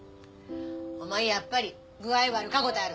お前やっぱり具合悪かことある。